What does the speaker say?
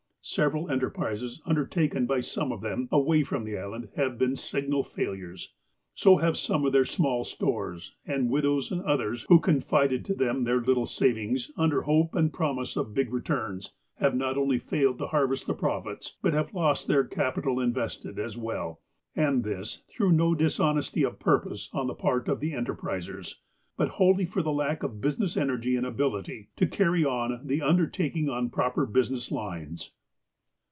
Several enterprises undertaken by some of them, away from the island, have been sigual failures. So have some of their small stores, and widows and others who confided to them their little savings, under hope and promise of big returns, have not only failed to harvest the profits, but have lost their capital invested, as well, and this through no dishonesty of purijose on the part of the enterprisers, but wholly for lack of business energy and ability to carry on the under taking on proper business lines.